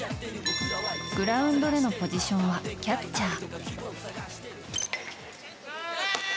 グラウンドでのポジションはキャッチャー。